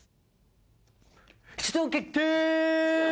出場決定！